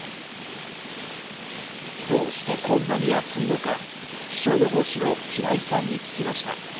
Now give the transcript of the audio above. どうしてこんなに暑いのか、気象予報士の平井さんに聞きました。